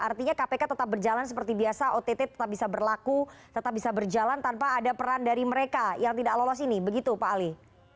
artinya kpk tetap berjalan seperti biasa ott tetap bisa berlaku tetap bisa berjalan tanpa ada peran dari mereka yang tidak lolos ini begitu pak ali